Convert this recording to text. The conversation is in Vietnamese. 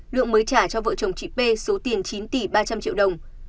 lượng mới trả cho vợ chồng chị p số tiền chín tỷ ba trăm linh triệu đồng